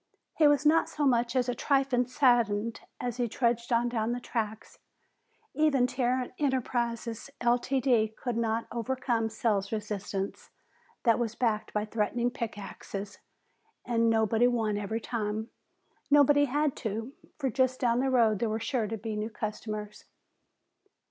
He was not so much as a trifle saddened as he trudged on down the tracks. Even Tarrant Enterprises, Ltd., could not overcome sales resistance that was backed by threatening pick axes, and nobody won every time. Nobody had to, for just down the road there were sure to be new customers.